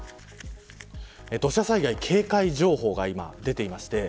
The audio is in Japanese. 土砂災害警戒情報が今、出ています。